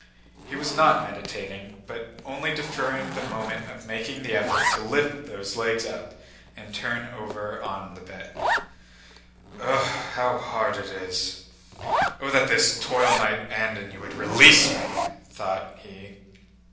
He was not meditating, but only deferring the moment of making the effort to lift those legs up and turn over on the bed. "Ugh, how hard it is! Oh, that this toil might end and you would release me!" thought he.